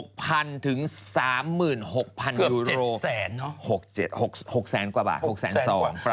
เกือบ๗แสนเนอะ๖แสนกว่าบาท๖แสน๒ประมาณนั้น